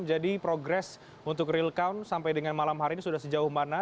jadi progres untuk real count sampai dengan malam hari ini sudah sejauh mana